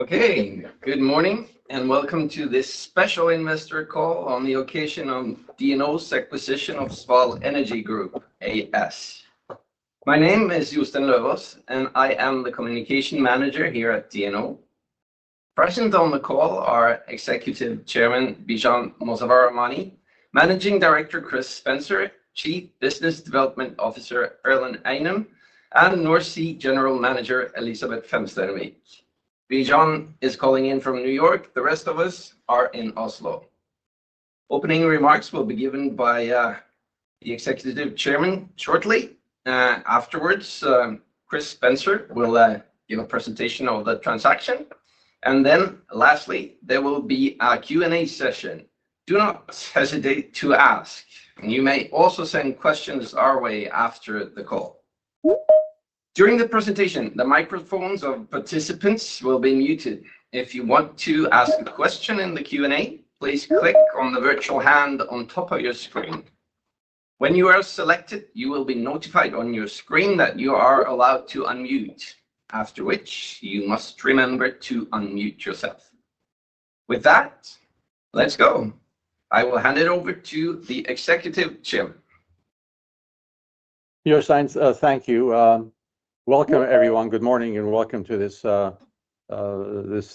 Okay. Good morning and welcome to this special investor call on the occasion of DNO's acquisition of Sval Energi Group AS. My name is Jostein Løvås, and I am the Communication Manager here at DNO. Present on the call are Executive Chairman Bijan Mossavar-Rahmani, Managing Director Chris Spencer, Chief Business Development Officer Erlend Einum, and North Sea General Manager Elisabeth Femsteinevik. Bijan is calling in from New York. The rest of us are in Oslo. Opening remarks will be given by the Executive Chairman shortly. Afterwards, Chris Spencer will give a presentation of the transaction. Lastly, there will be a Q&A session. Do not hesitate to ask. You may also send questions our way after the call. During the presentation, the microphones of participants will be muted. If you want to ask a question in the Q&A, please click on the virtual hand on top of your screen. When you are selected, you will be notified on your screen that you are allowed to unmute, after which you must remember to unmute yourself. With that, let's go. I will hand it over to the Executive Chairman. Yes, thanks. Thank you. Welcome, everyone. Good morning and welcome to this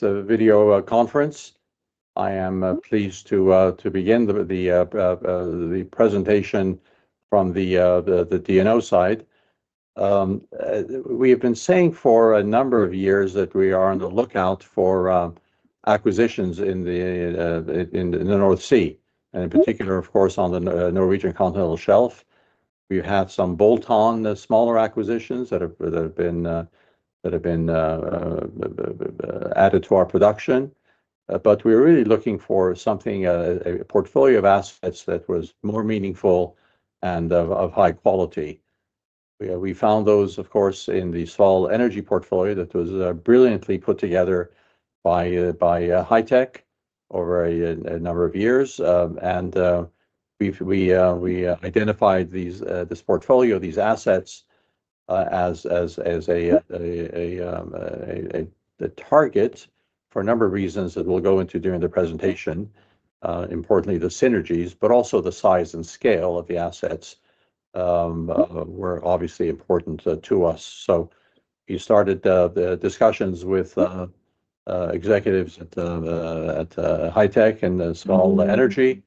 video conference. I am pleased to begin the presentation from the DNO side. We have been saying for a number of years that we are on the lookout for acquisitions in the North Sea, and in particular, of course, on the Norwegian Continental Shelf. We have some bolt-on, smaller acquisitions that have been added to our production. We are really looking for something, a portfolio of assets that was more meaningful and of high quality. We found those, of course, in the Sval Energi portfolio that was brilliantly put together by HitecVision over a number of years. We identified this portfolio of these assets as a target for a number of reasons that we'll go into during the presentation. Importantly, the synergies, but also the size and scale of the assets were obviously important to us. We started the discussions with executives at HitecVision and Sval Energi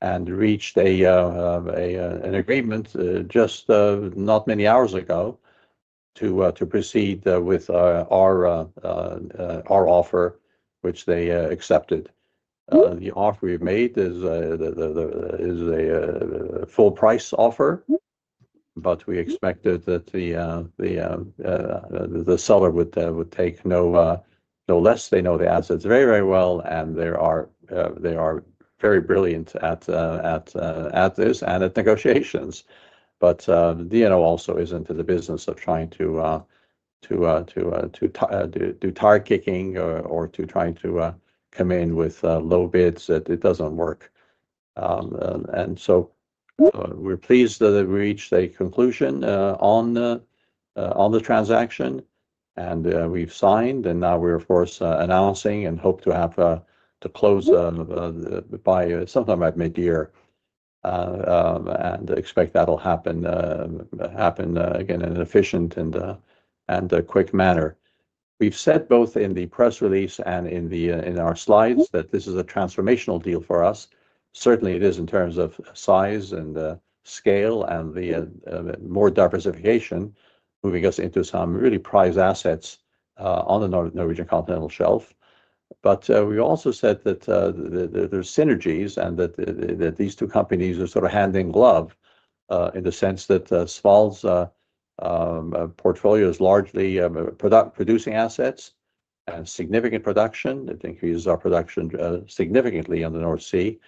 and reached an agreement just not many hours ago to proceed with our offer, which they accepted. The offer we've made is a full-price offer, but we expected that the seller would take no less. They know the assets very, very well, and they are very brilliant at this and at negotiations. DNO also isn't in the business of trying to do tire-kicking or to try to come in with low bids that it doesn't work. We are pleased that we reached a conclusion on the transaction, and we've signed, and now we're, of course, announcing and hope to close by sometime by mid-year and expect that'll happen again in an efficient and quick manner. We've said both in the press release and in our slides that this is a transformational deal for us. Certainly, it is in terms of size and scale and the more diversification moving us into some really prized assets on the Norwegian Continental Shelf. We also said that there are synergies and that these two companies are sort of hand in glove in the sense that Sval's portfolio is largely producing assets and significant production. It increases our production significantly on the North Sea.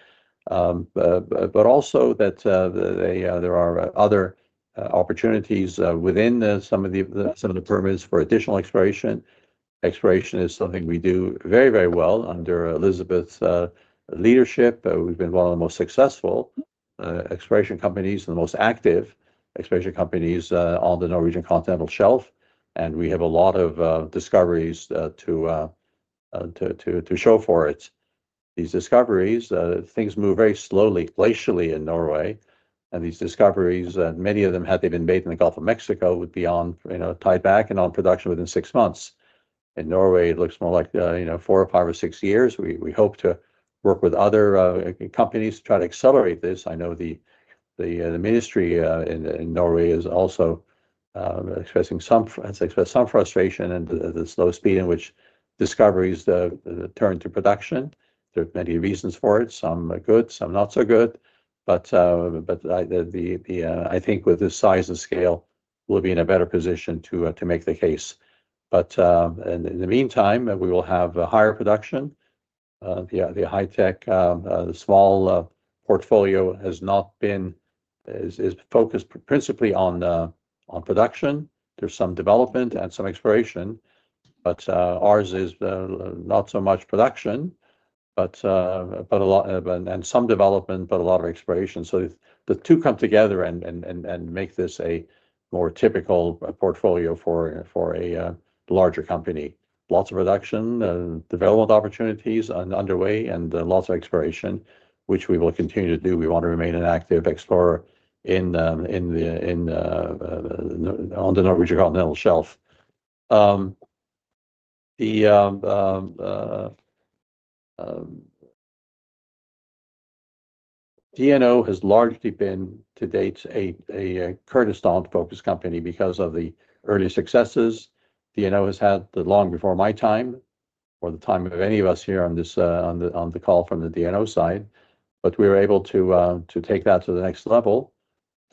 There are other opportunities within some of the permits for additional exploration. Exploration is something we do very, very well under Elisabeth's leadership. We've been one of the most successful exploration companies and the most active exploration companies on the Norwegian Continental Shelf. We have a lot of discoveries to show for it. These discoveries, things move very slowly, glacially in Norway. These discoveries, many of them, had they been made in the Gulf of Mexico, would be tied back and on production within six months. In Norway, it looks more like four, five, or six years. We hope to work with other companies to try to accelerate this. I know the ministry in Norway is also expressing some frustration at the slow speed in which discoveries turn to production. There are many reasons for it, some good, some not so good. I think with this size and scale, we'll be in a better position to make the case. In the meantime, we will have higher production. The HitecVision, the Sval portfolio has not been focused principally on production to some development and some exploration. Ours is not so much production and some development, but a lot of exploration. The two come together and make this a more typical portfolio for a larger company. Lots of production and development opportunities underway and lots of exploration, which we will continue to do. We want to remain an active explorer on the Norwegian Continental Shelf. DNO has largely been, to date, a Kurdistan-focused company because of the early successes. DNO has had that long before my time or the time of any of us here on the call from the DNO side. We were able to take that to the next level.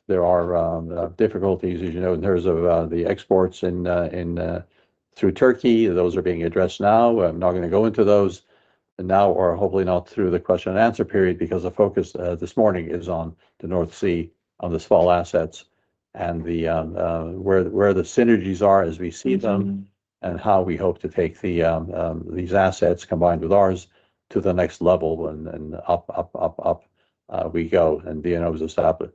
There are difficulties, as you know, in terms of the exports through Tawke. Those are being addressed now. I'm not going to go into those now or hopefully not through the question and answer period because the focus this morning is on the North Sea, on the Sval assets, and where the synergies are as we see them and how we hope to take these assets combined with ours to the next level and up, up, up, up we go. DNO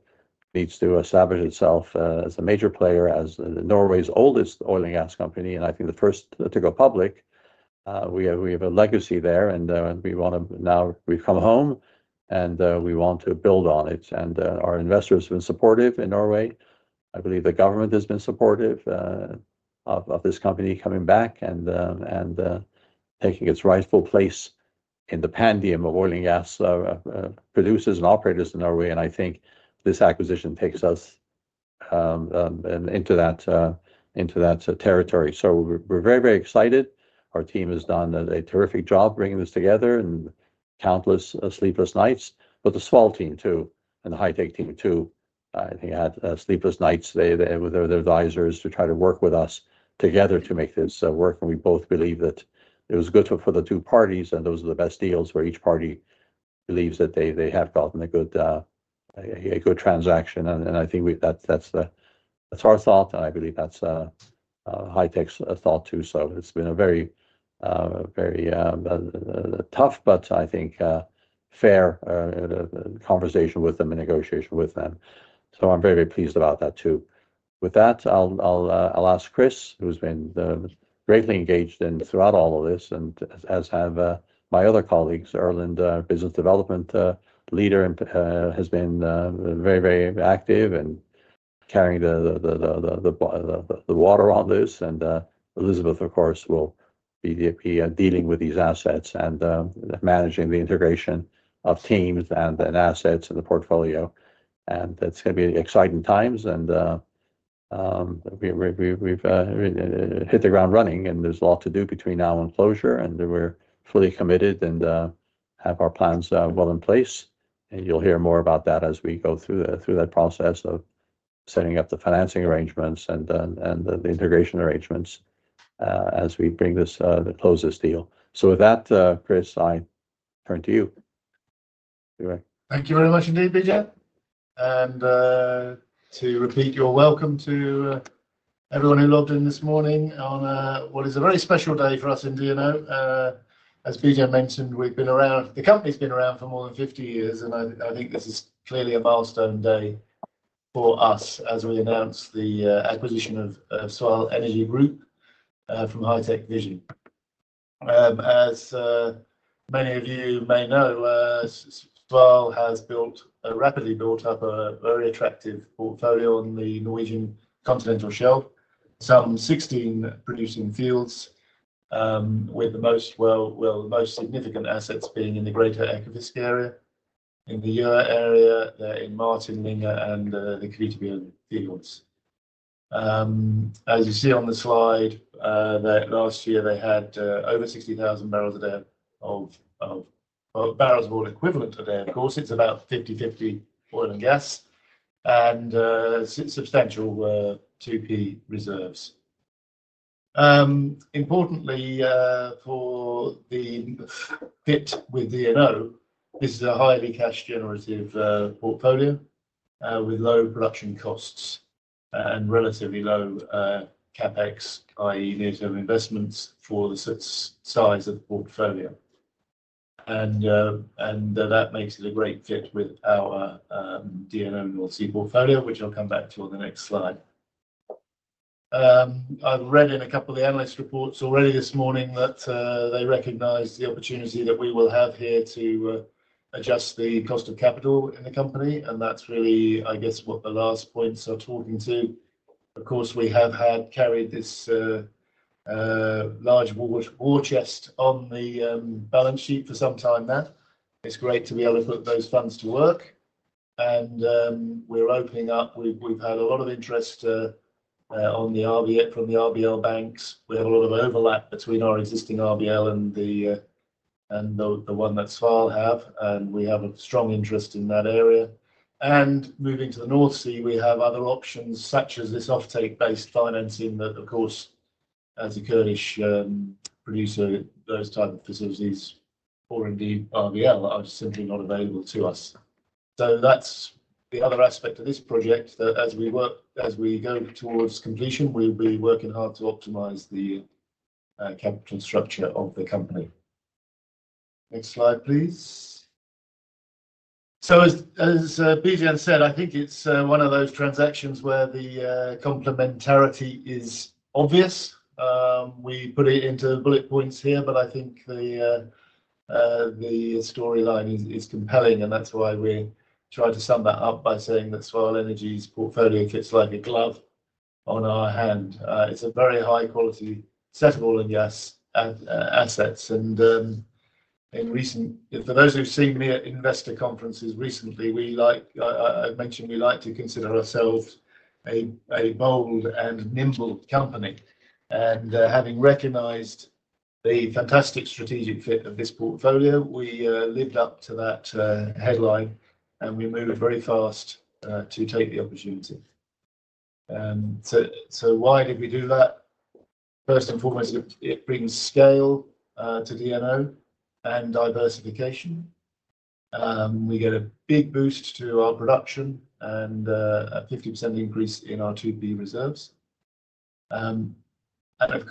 needs to establish itself as a major player, as Norway's oldest oil and gas company. I think the first to go public. We have a legacy there, and we want to, now we've come home, and we want to build on it. Our investors have been supportive in Norway. I believe the government has been supportive of this company coming back and taking its rightful place in the pantheon of oil and gas producers and operators in Norway. I think this acquisition takes us into that territory. We are very, very excited. Our team has done a terrific job bringing this together and countless sleepless nights. The Sval team too and the HitecVision team too, I think, had sleepless nights. They were their advisors to try to work with us together to make this work. We both believe that it was good for the two parties, and those are the best deals where each party believes that they have gotten a good transaction. I think that is our thought, and I believe that is HitecVision's thought too. It has been a very tough, but I think fair conversation with them and negotiation with them. I am very, very pleased about that too. With that, I'll ask Chris, who's been greatly engaged throughout all of this, as have my other colleagues. Erlend, Business Development Leader, has been very, very active in carrying the water on this. Elisabeth, of course, will be dealing with these assets and managing the integration of teams and assets in the portfolio. It is going to be exciting times. We've hit the ground running, and there's a lot to do between now and closure. We are fully committed and have our plans well in place. You'll hear more about that as we go through that process of setting up the financing arrangements and the integration arrangements as we bring this closest deal. With that, Chris, I turn to you. Thank you very much indeed, Bijan. To repeat your welcome to everyone who logged in this morning on what is a very special day for us in DNO. As Bijan mentioned, the company has been around for more than 50 years, and I think this is clearly a milestone day for us as we announce the acquisition of Sval Energi Group from HitecVision. As many of you may know, Sval has rapidly built up a very attractive portfolio on the Norwegian Continental Shelf, some 16 producing fields, with the most significant assets being in the greater Ekofisk area, in the Gjøa area in Martin Linge, and the Kvitebjørn fields. As you see on the slide, last year they had over 60,000 bbl of oil equivalent a day. Of course, it is about 50/50 oil and gas and substantial 2P reserves. Importantly, for the fit with DNO, this is a highly cash-generative portfolio with low production costs and relatively low CapEx, i.e., near-term investments for the size of the portfolio. That makes it a great fit with our DNO North Sea portfolio, which I'll come back to on the next slide. I've read in a couple of the analyst reports already this morning that they recognize the opportunity that we will have here to adjust the cost of capital in the company. That's really, I guess, what the last points are talking to. Of course, we have carried this large war chest on the balance sheet for some time now. It's great to be able to put those funds to work. We're opening up. We've had a lot of interest from the RBL banks. We have a lot of overlap between our existing RBL and the one that Sval have. We have a strong interest in that area. Moving to the North Sea, we have other options such as this offtake-based financing that, of course, as a Kurdish producer, those types of facilities or indeed RBL are simply not available to us. That is the other aspect of this project that as we go towards completion, we will be working hard to optimize the capital structure of the company. Next slide, please. As Bijan said, I think it is one of those transactions where the complementarity is obvious. We put it into bullet points here, but I think the storyline is compelling. That is why we try to sum that up by saying that Sval Energi's portfolio fits like a glove on our hand. It is a very high-quality set of oil and gas assets. For those who've seen me at investor conferences recently, I've mentioned we like to consider ourselves a bold and nimble company. Having recognized the fantastic strategic fit of this portfolio, we lived up to that headline, and we moved very fast to take the opportunity. Why did we do that? First and foremost, it brings scale to DNO and diversification. We get a big boost to our production and a 50% increase in our 2P reserves. It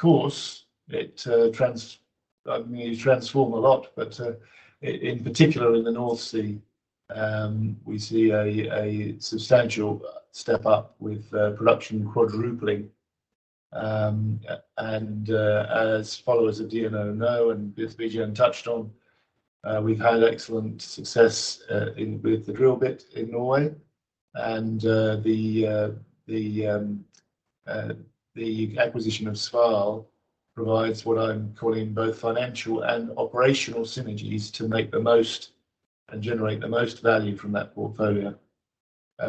transformed a lot, but in particular in the North Sea, we see a substantial step up with production quadrupling. As followers of DNO know and as Bijan touched on, we've had excellent success with the drill bit in Norway. The acquisition of Sval provides what I'm calling both financial and operational synergies to make the most and generate the most value from that portfolio.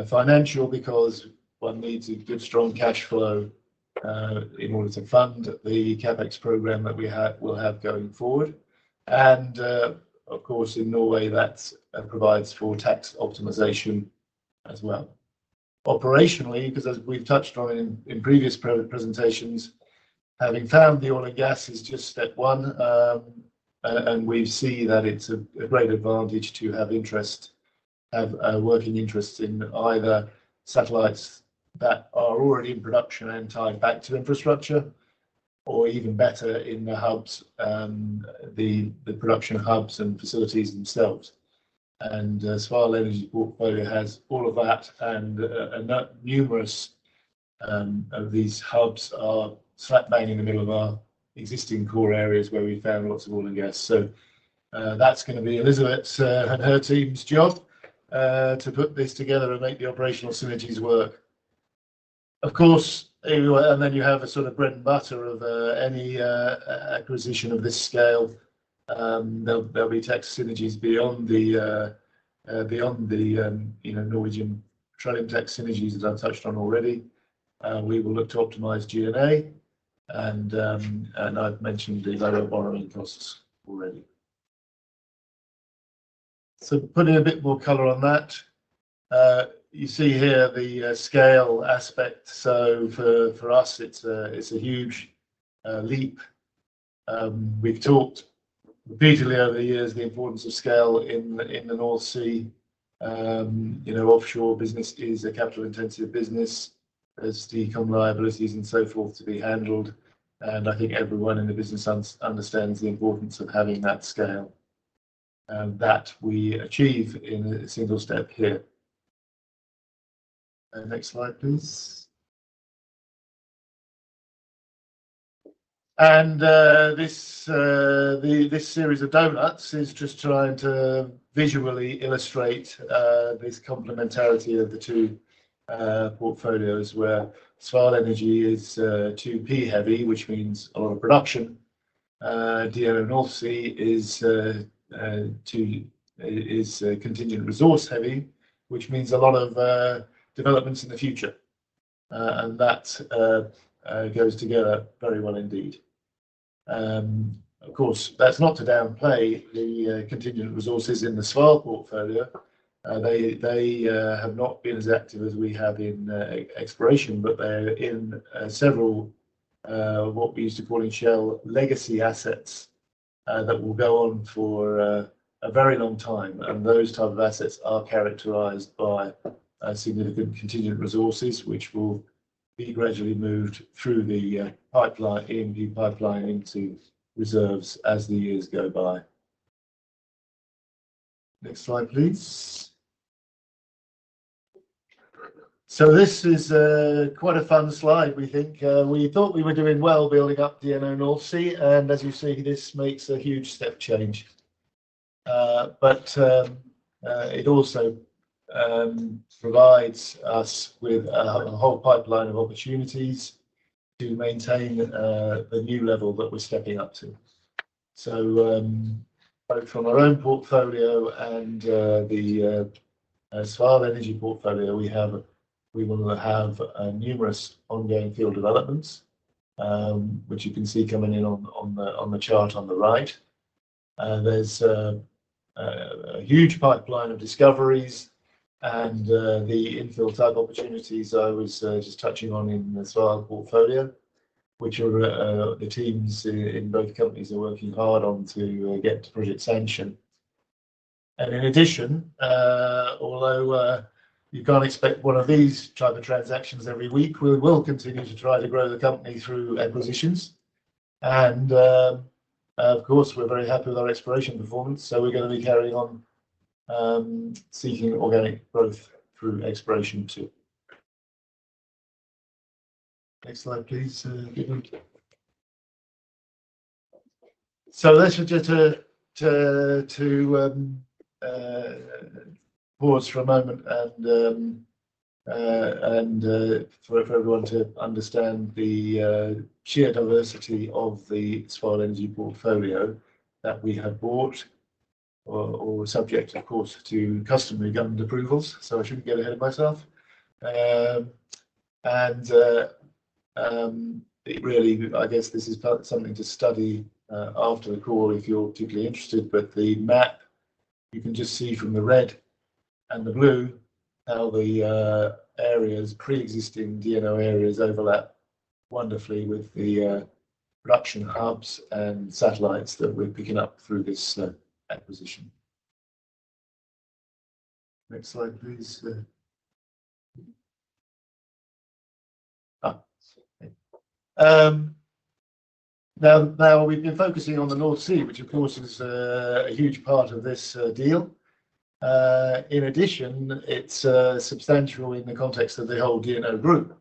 Financial because one needs a good strong cash flow in order to fund the CapEx program that we will have going forward. Of course, in Norway, that provides for tax optimization as well. Operationally, because as we've touched on in previous presentations, having found the oil and gas is just step one. We see that it's a great advantage to have working interests in either satellites that are already in production and tied back to infrastructure, or even better in the production hubs and facilities themselves. Sval Energi's portfolio has all of that. Numerous of these hubs are flat bang in the middle of our existing core areas where we found lots of oil and gas. That's going to be Elisabeth and her team's job to put this together and make the operational synergies work. Of course, and then you have a sort of bread and butter of any acquisition of this scale. There'll be tax synergies beyond the Norwegian trade tax synergies that I've touched on already. We will look to optimize G&A. I've mentioned the variable borrowing costs already. Putting a bit more color on that, you see here the scale aspect. For us, it's a huge leap. We've talked repeatedly over the years about the importance of scale in the North Sea. Offshore business is a capital-intensive business as the common liabilities and so forth to be handled. I think everyone in the business understands the importance of having that scale that we achieve in a single step here. Next slide, please. And this series of donuts is just trying to visually illustrate this complementarity of the two portfolios where Sval Energi is 2P heavy, which means a lot of production. DNO North Sea is contingent resource heavy, which means a lot of developments in the future. That goes together very well indeed. Of course, that's not to downplay the contingent resources in the Sval portfolio. They have not been as active as we have in exploration, but they're in several what we used to call in Shell legacy assets that will go on for a very long time. Those types of assets are characterized by significant contingent resources, which will be gradually moved through the E&P pipeline into reserves as the years go by. Next slide, please. So this is quite a fun slide, we think. We thought we were doing well building up DNO North Sea. As you see, this makes a huge step change. But, It also provides us with a whole pipeline of opportunities to maintain the new level that we're stepping up to. From our own portfolio and the Sval Energi portfolio, we will have numerous ongoing field developments, which you can see coming in on the chart on the right. There's a huge pipeline of discoveries and the infill type opportunities I was just touching on in the Sval portfolio, which the teams in both companies are working hard on to get to project sanction. In addition, although you can't expect one of these type of transactions every week, we will continue to try to grow the company through acquisitions. Of course, we're very happy with our exploration performance. We're going to be carrying on seeking organic growth through exploration too. Next slide, please. Let's just pause for a moment for everyone to understand the sheer diversity of the Sval Energi portfolio that we have bought, or subject, of course, to customary government approvals. I shouldn't get ahead of myself. I guess this is something to study after the call if you're particularly interested. The map, you can just see from the red and the blue how the pre-existing DNO areas overlap wonderfully with the production hubs and satellites that we're picking up through this acquisition. Next slide, please. Now, we've been focusing on the North Sea, which of course is a huge part of this deal. In addition, it's substantial in the context of the whole DNO group.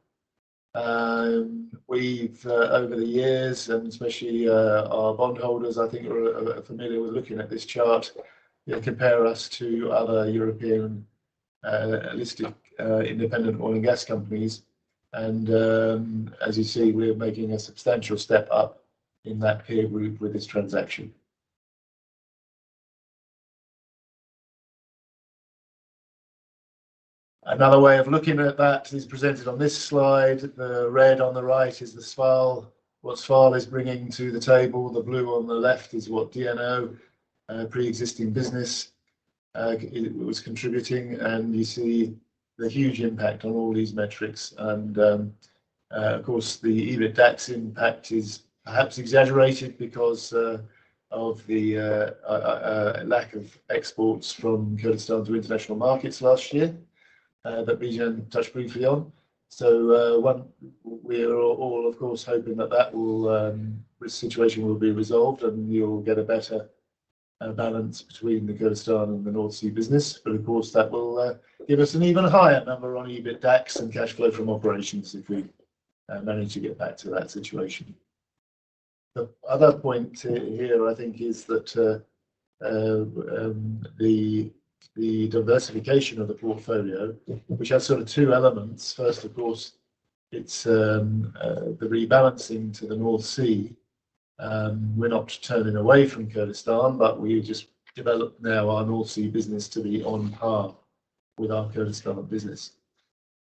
Over the years, and especially our bondholders, I think, are familiar with looking at this chart. They compare us to other European listed independent oil and gas companies. And as you see, we're making a substantial step up in that peer group with this transaction. Another way of looking at that is presented on this slide. The red on the right is what Sval is bringing to the table. The blue on the left is what DNO pre-existing business was contributing. You see the huge impact on all these metrics. Of course, the EBITDA impact is perhaps exaggerated because of the lack of exports from Kurdistan to international markets last year that Bijan touched briefly on. We are all, of course, hoping that that situation will be resolved and you'll get a better balance between the Kurdistan and the North Sea business. That will give us an even higher number on EBITDA and cash flow from operations if we manage to get back to that situation. The other point here, I think, is that the diversification of the portfolio, which has sort of two elements. First, of course, it's the rebalancing to the North Sea. We're not turning away from Kurdistan, but we just developed now our North Sea business to be on par with our Kurdistan business.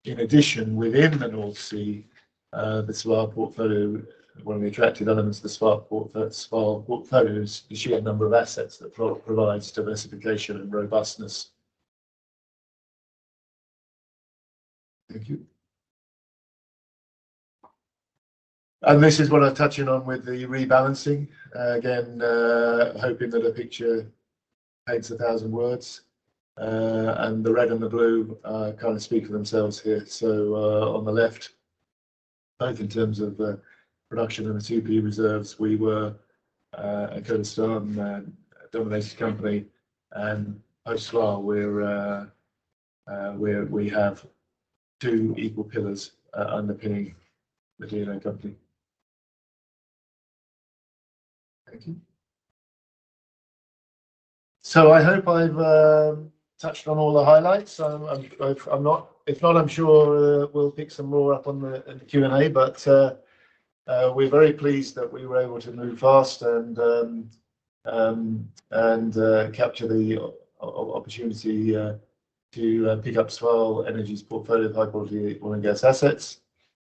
In addition, within the North Sea, the Sval portfolio, one of the attractive elements of the Sval portfolio is the sheer number of assets that provides diversification and robustness. Thank you. This is what I'm touching on with the rebalancing. Again, hoping that a picture paints a thousand words. The red and the blue kind of speak for themselves here. On the left, both in terms of production and the 2P reserves, we were a Kurdistan dominated company. Post-Sval, we have two equal pillars underpinning the DNO company. Thank you. I hope I've touched on all the highlights. If not, I'm sure we'll pick some more up on the Q&A. We're very pleased that we were able to move fast and capture the opportunity to pick up Sval Energi's portfolio of high-quality oil and gas assets.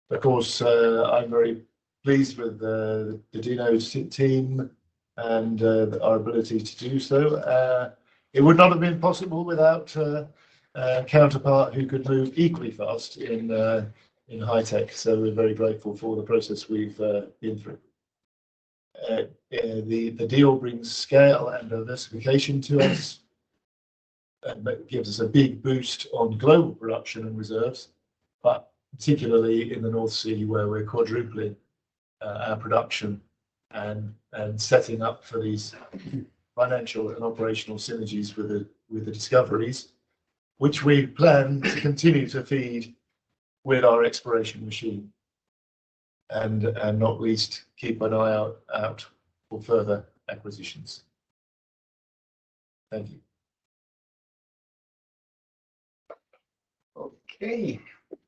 Of course, I'm very pleased with the DNO team and our ability to do so. It would not have been possible without a counterpart who could move equally fast in HitecVision. We're very grateful for the process we've been through. The deal brings scale and diversification to us and gives us a big boost on global production and reserves, but particularly in the North Sea where we're quadrupling our production and setting up for these financial and operational synergies with the discoveries, which we plan to continue to feed with our exploration machine. Not least, keep an eye out for further acquisitions. Thank you. Okay.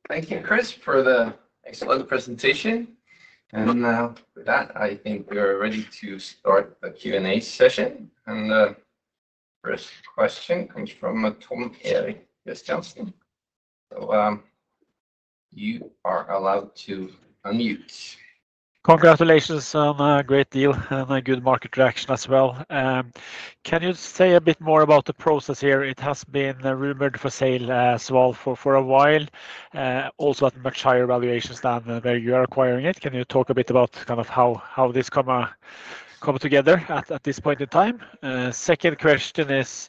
Thank you, Chris, for the excellent presentation. With that, I think we are ready to start the Q&A session. And the first question comes from Tom Erik Kristiansen. You are allowed to unmute. Congratulations on a great deal and a good market reaction as well. Can you say a bit more about the process here? It has been rumored for sale, Sval, for a while, also at much higher valuations than where you are acquiring it. Can you talk a bit about kind of how this come together at this point in time? The second question is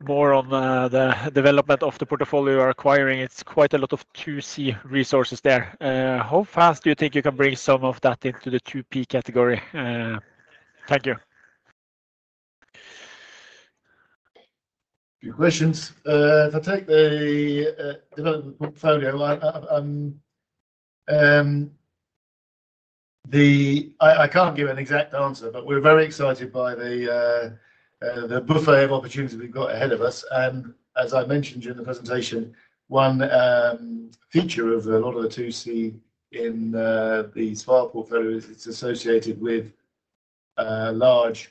more on the development of the portfolio you are acquiring. It's quite a lot of 2C resources there. How fast do you think you can bring some of that into the 2P category? Thank you. Good questions. If I take the development portfolio, I can't give an exact answer, but we're very excited by the buffet of opportunities we've got ahead of us. As I mentioned during the presentation, one feature of a lot of the 2C in the Sval portfolio is it's associated with large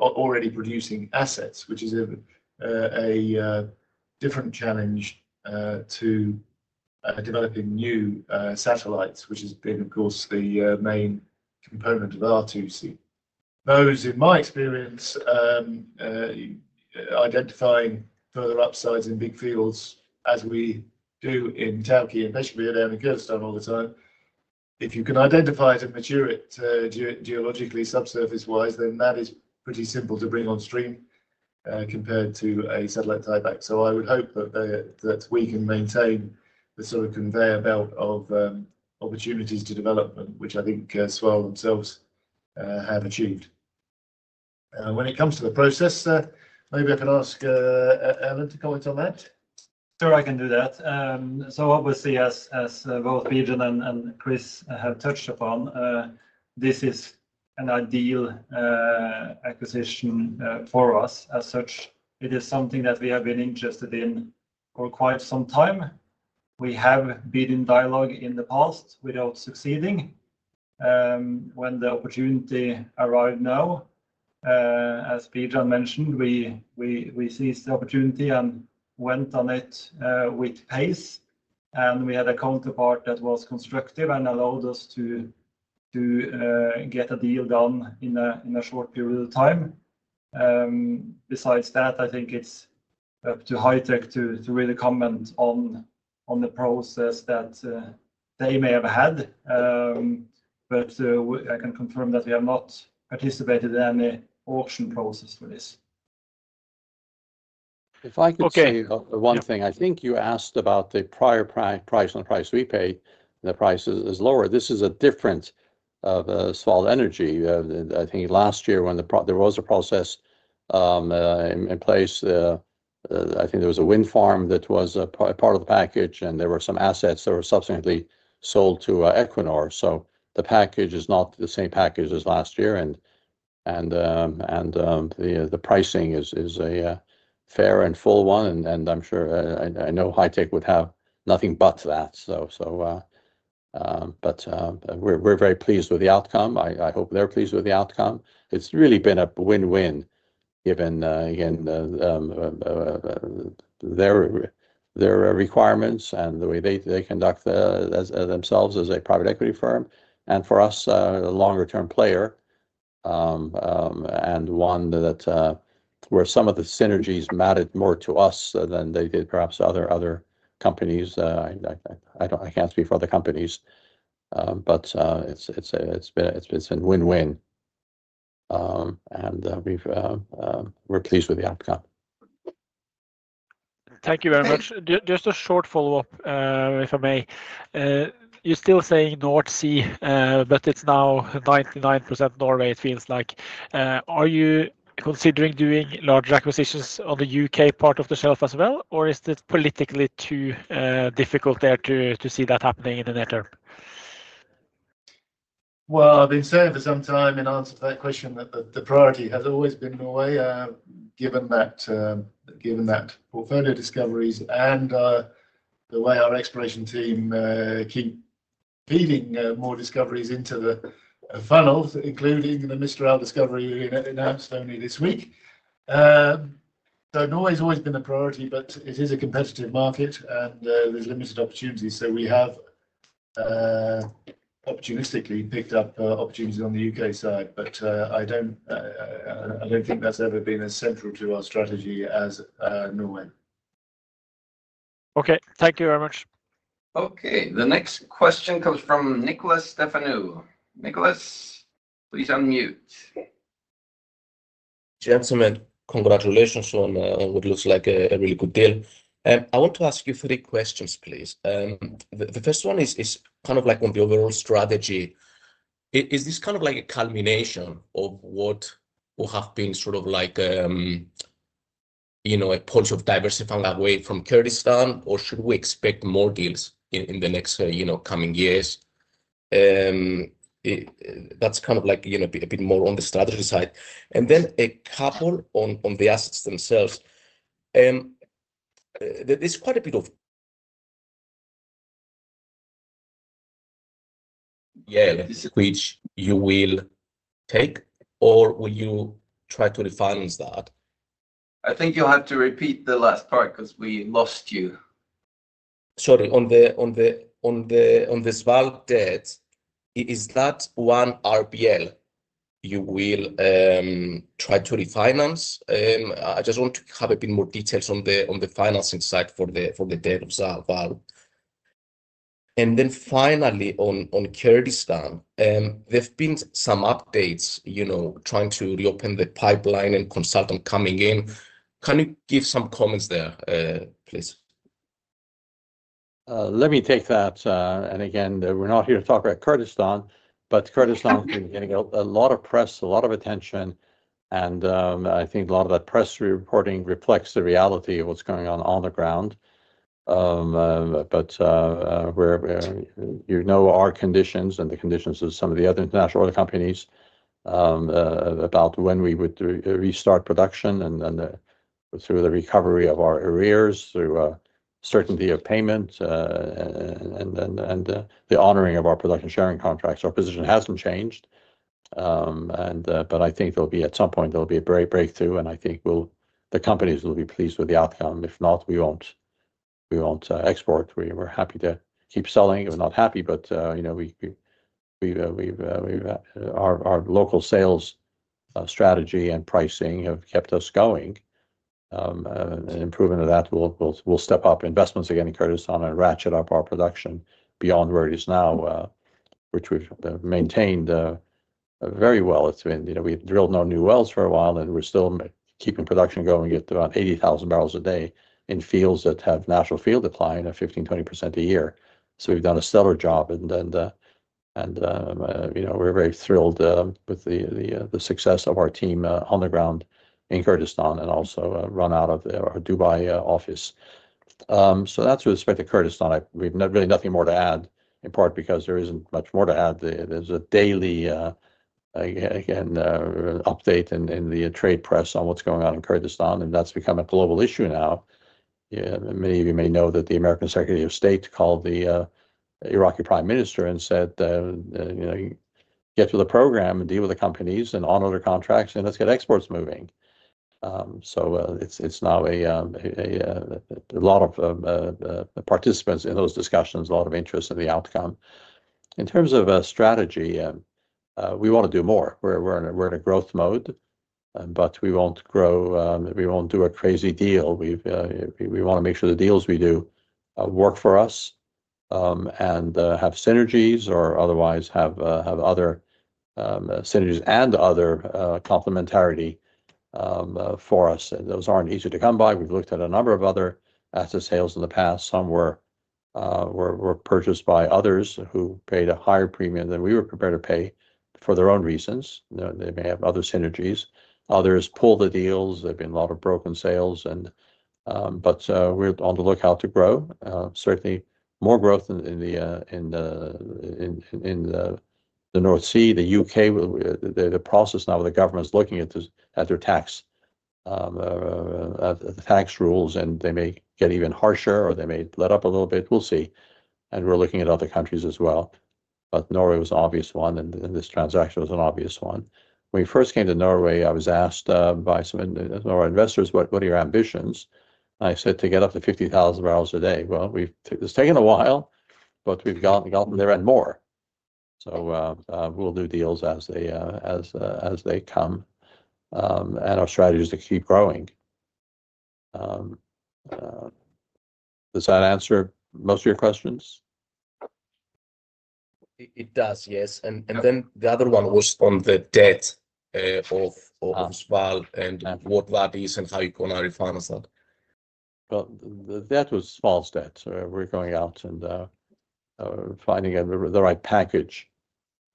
already producing assets, which is a different challenge to developing new satellites, which has been, of course, the main component of our 2C. Those, in my experience, identifying further upsides in big fields as we do in Tawke and Peshkabir all the time, if you can identify it and mature it geologically subsurface-wise, that is pretty simple to bring on stream compared to a satellite tieback. I would hope that we can maintain the sort of conveyor belt of opportunities to development, which I think Sval themselves have achieved. When it comes to the process, maybe I can ask Erlend to comment on that. Sure, I can do that. Obviously, as both Bijan and Chris have touched upon, this is an ideal acquisition for us as such. It is something that we have been interested in for quite some time. We have been in dialogue in the past without succeeding. When the opportunity arrived now, as Bijan mentioned, we seized the opportunity and went on it with pace. We had a counterpart that was constructive and allowed us to get a deal done in a short period of time. Besides that, I think it's up to HitecVision to really comment on the process that they may have had. I can confirm that we have not participated in any auction process for this. If I could say one thing, I think you asked about the prior price and the price we pay. The price is lower. This is a different Sval Energi. I think last year when there was a process in place, I think there was a wind farm that was part of the package, and there were some assets that were subsequently sold to Equinor. The package is not the same package as last year. The pricing is a fair and full one. I'm sure I know HitecVision would have nothing but that. We're very pleased with the outcome. I hope they're pleased with the outcome. It's really been a win-win given, again, their requirements and the way they conduct themselves as a private equity firm. For us, a longer-term player and one where some of the synergies mattered more to us than they did, perhaps, other companies. I cannot speak for other companies. It has been a win-win. We are pleased with the outcome. Thank you very much. Just a short follow-up, if I may. You are still saying North Sea, but it is now 99% Norway, it feels like. Are you considering doing larger acquisitions on the U.K. part of the shelf as well, or is it politically too difficult there to see that happening in the near term? I have been saying for some time in answer to that question that the priority has always been Norway, given that portfolio discoveries and the way our exploration team keep feeding more discoveries into the funnels, including the Mistral discovery we announced only this week. Norway has always been a priority, but it is a competitive market, and there's limited opportunities. We have opportunistically picked up opportunities on the U.K. side. I don't think that's ever been as central to our strategy as Norway. Okay. Thank you very much. Okay. The next question comes from Nikolas Stefanou. Nikolas, please unmute. Gentlemen, congratulations on what looks like a really good deal. I want to ask you three questions, please. The first one is kind of like on the overall strategy. Is this kind of like a culmination of what will have been sort of like a policy of diversifying away from Kurdistan, or should we expect more deals in the next coming years? That's kind of like a bit more on the strategy side. And then a couple on the assets themselves. There's quite a bit of. Yeah, which you will take, or will you try to refinance that? I think you'll have to repeat the last part because we lost you. Sorry. On the Sval debt, is that one RBL you will try to refinance? I just want to have a bit more details on the financing side for the debt of Sval. Finally, on Kurdistan, there have been some updates trying to reopen the pipeline and consultant coming in. Can you give some comments there, please? Let me take that. Again, we're not here to talk about Kurdistan, but Kurdistan is getting a lot of press, a lot of attention. And I think a lot of that press reporting reflects the reality of what's going on on the ground. You know our conditions and the conditions of some of the other international oil companies about when we would restart production and through the recovery of our arrears, through certainty of payment, and the honoring of our production sharing contracts. Our position hasn't changed. I think at some point, there'll be a breakthrough, and I think the companies will be pleased with the outcome. If not, we won't export. We're happy to keep selling. We're not happy, but our local sales strategy and pricing have kept us going. Improving of that, we'll step up investments again in Kurdistan and ratchet up our production beyond where it is now, which we've maintained very well. We drilled no new wells for a while, and we're still keeping production going at around 80,000 bbl a day in fields that have natural field decline of 15%-20% a year. We have done a stellar job. We are very thrilled with the success of our team on the ground in Kurdistan and also run out of our Dubai office. That is with respect to Kurdistan. We have really nothing more to add, in part because there is not much more to add. There is a daily, again, update in the trade press on what is going on in Kurdistan, and that has become a global issue now. Many of you may know that the American Secretary of State called the Iraqi Prime Minister and said, "Get to the program and deal with the companies and honor their contracts, and let's get exports moving." It is now a lot of participants in those discussions, a lot of interest in the outcome. In terms of strategy, we want to do more. We are in a growth mode, but we will not grow; we will not do a crazy deal. We want to make sure the deals we do work for us and have synergies or otherwise have other synergies and other complementarity for us. Those are not easy to come by. We have looked at a number of other asset sales in the past. Some were purchased by others who paid a higher premium than we were prepared to pay for their own reasons. They may have other synergies. Others pulled the deals. There have been a lot of broken sales. We are on the lookout to grow. Certainly, more growth in the North Sea, the U.K. The process now with the government's looking at their tax rules, and they may get even harsher, or they may let up a little bit. We will see. We are looking at other countries as well. Norway was an obvious one, and this transaction was an obvious one. When we first came to Norway, I was asked by some of our investors, "What are your ambitions?" I said, "To get up to 50,000 bbl a day." It has taken a while, but we've gotten there and more. We will do deals as they come. Our strategy is to keep growing. Does that answer most of your questions? It does, yes. The other one was on the debt of Sval and what that is and how you can refinance that? The debt was Sval's debt. We are going out and finding the right package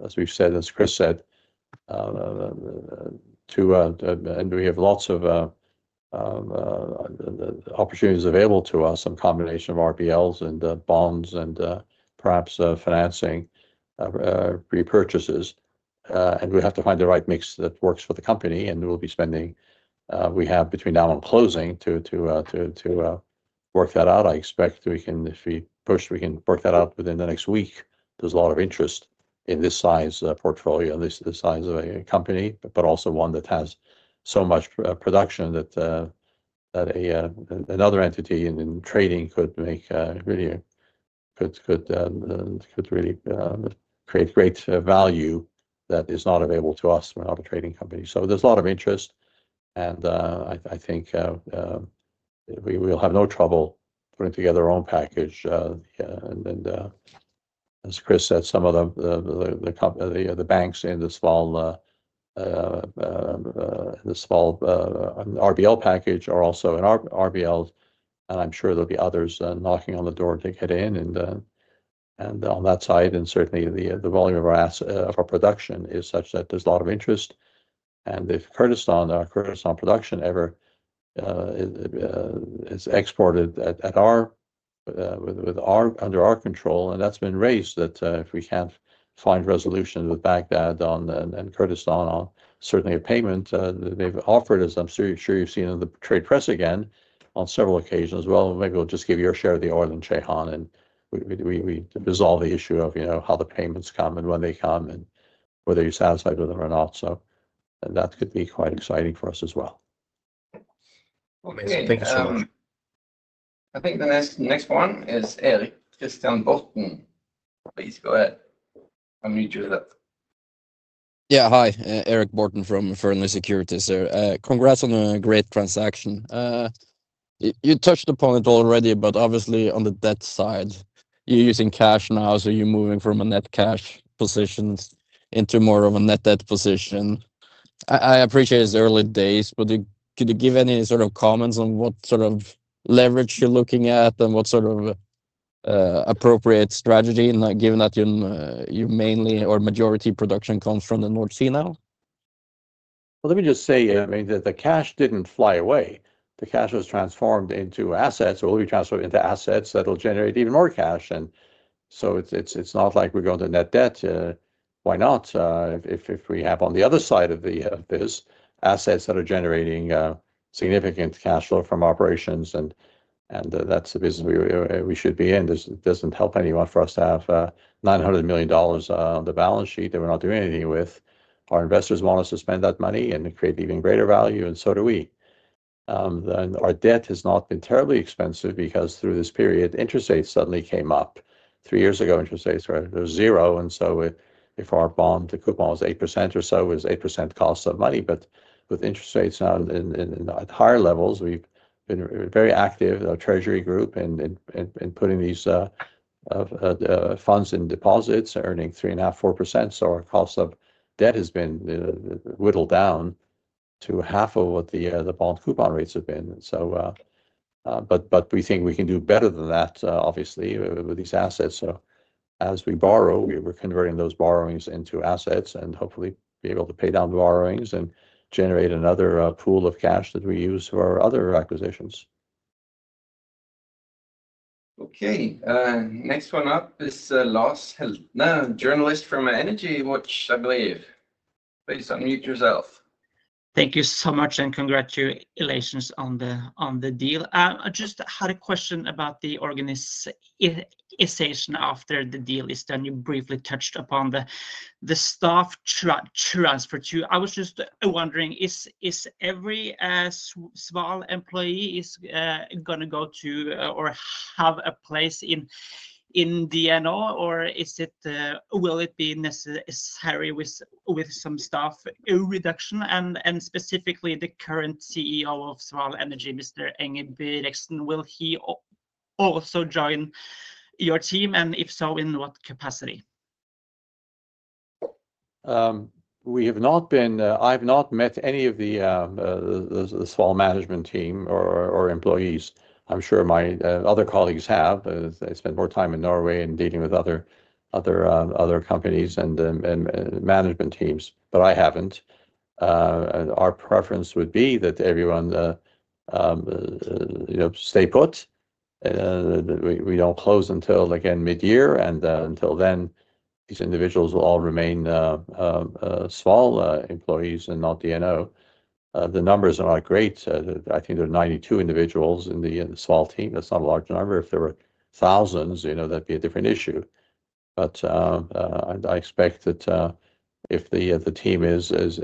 of, as we've said, as Chris said, to and we have lots of opportunities available to us, some combination of RBLs and bonds and perhaps financing repurchases. We have to find the right mix that works for the company. We will be spending the time we have between now and closing to work that out. I expect if we push, we can work that out within the next week. There is a lot of interest in this size portfolio, this size of a company, but also one that has so much production that another entity in trading could really create great value that is not available to us. We are not a trading company. There is a lot of interest. I think we will have no trouble putting together our own package. As Chris said, some of the banks in the Sval RBL package are also in RBLs. I am sure there will be others knocking on the door to get in on that side. Certainly, the volume of our production is such that there is a lot of interest. If Kurdistan production ever is exported under our control, and that's been raised that if we can't find resolution with Baghdad and Kurdistan, certainly a payment they've offered us, I'm sure you've seen in the trade press again on several occasions. Maybe we'll just give you a share of the oil in Ceyhan, and we'll resolve the issue of how the payments come and when they come and whether you're satisfied with them or not. That could be quite exciting for us as well. Thank you so much. I think the next one is Erik Christian Borthen. Please go ahead. unmute yourself. Yeah. Hi. Eric Borthen from Fearnley Securities here. Congrats on a great transaction. You touched upon it already, but obviously, on the debt side, you're using cash now. You're moving from a net cash position into more of a net debt position. I appreciate it's early days, but could you give any sort of comments on what sort of leverage you're looking at and what sort of appropriate strategy, given that your majority production comes from the North Sea now? I mean, the cash didn't fly away. The cash was transformed into assets, or will be transformed into assets that will generate even more cash. It is not like we're going to net debt. Why not? If we have on the other side of this assets that are generating significant cash flow from operations, and that's the business we should be in, it doesn't help anyone for us to have $900 million on the balance sheet that we're not doing anything with. Our investors want us to spend that money and create even greater value, and so do we. Our debt has not been terribly expensive because through this period, interest rates suddenly came up. Three years ago, interest rates were zero. If our bond, the coupon was 8% or so, it was 8% cost of money. With interest rates now at higher levels, we've been very active, the Treasury Group, in putting these funds in deposits, earning 3.5-4%. Our cost of debt has been whittled down to half of what the bond coupon rates have been. We think we can do better than that, obviously, with these assets. As we borrow, we're converting those borrowings into assets and hopefully be able to pay down the borrowings and generate another pool of cash that we use for our other acquisitions. Okay. Next one up is Lars Heltne, journalist from EnergyWatch, I believe. Please unmute yourself. Thank you so much, and congratulations on the deal. I just had a question about the organization after the deal is done. You briefly touched upon the staff transfer too. I was just wondering, is every Sval employee going to go to or have a place in DNO, or will it be necessary with some staff reduction? Specifically, the current CEO of Sval Energi, Mr. Engebretsen, will he also join your team? If so, in what capacity? We have not been. I have not met any of the Sval management team or employees. I'm sure my other colleagues have. They spent more time in Norway and dealing with other companies and management teams, but I haven't. Our preference would be that everyone stay put. We don't close until again mid-year. Until then, these individuals will all remain Sval employees and not DNO. The numbers are not great. I think there are 92 individuals in the Sval team. That's not a large number. If there were thousands, that'd be a different issue. I expect that if the team is as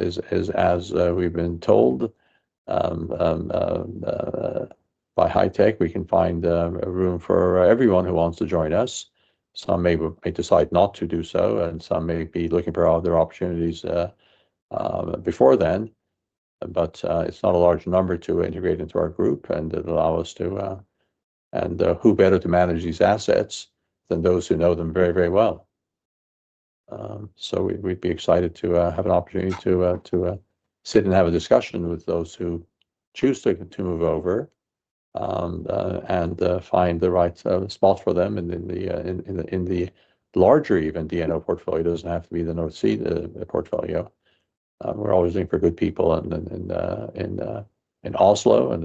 we've been told by HitecVision, we can find room for everyone who wants to join us. Some may decide not to do so, and some may be looking for other opportunities before then. It's not a large number to integrate into our group, and it will allow us to—who better to manage these assets than those who know them very, very well. So we'd be excited to have an opportunity to sit and have a discussion with those who choose to move over and find the right spot for them. In the larger DNO portfolio, it doesn't have to be the North Sea portfolio. We're always looking for good people. In Oslo,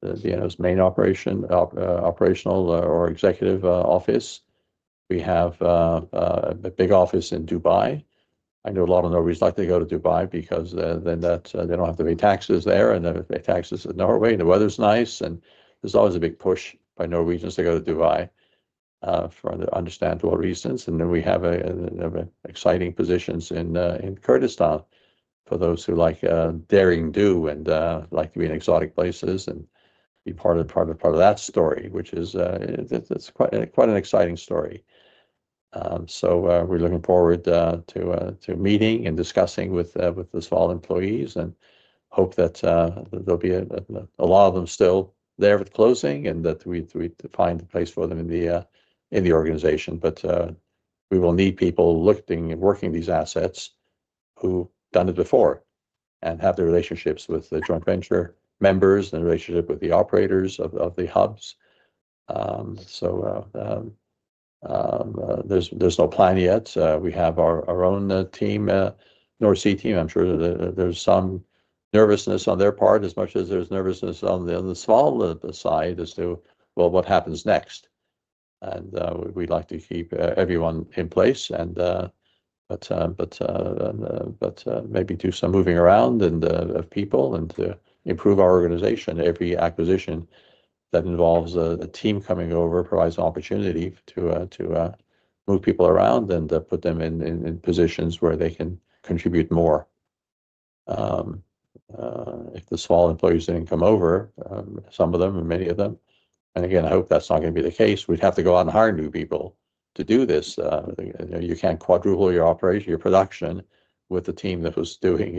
DNO's main operational or executive office, we have a big office in Dubai. I know a lot of Norwegians like to go to Dubai because then they don't have to pay taxes there, and then they pay taxes in Norway, and the weather's nice. There is always a big push by Norwegians to go to Dubai for understandable reasons. We have exciting positions in Kurdistan for those who like daring do and like to be in exotic places and be part of that story, which is quite an exciting story. We are looking forward to meeting and discussing with the Sval employees and hope that there will be a lot of them still there with closing and that we find a place for them in the organization. We will need people looking and working these assets who've done it before and have the relationships with the joint venture members and the relationship with the operators of the hubs. There is no plan yet. We have our own North Sea team. I'm sure there's some nervousness on their part as much as there's nervousness on the Sval side as to, well, what happens next? We'd like to keep everyone in place, but maybe do some moving around of people and improve our organization. Every acquisition that involves a team coming over provides an opportunity to move people around and put them in positions where they can contribute more. If the Sval employees didn't come over, some of them and many of them and again, I hope that's not going to be the case we'd have to go out and hire new people to do this. You can't quadruple your production. With the team that was doing